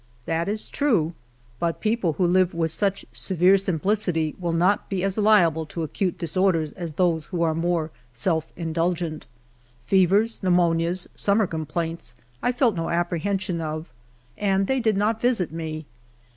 That is true, but people who live with such severe simplicity will not be as liable to acute dis orders as those who are more self indulgent. Fevers, pneu monias, summer complaints, I felt no apprehension of, and thev did not visit me.